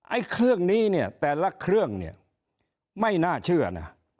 ไอ้เครื่องนี้เนี่ยแต่ละเครื่องเนี่ยไม่น่าเชื่อนะ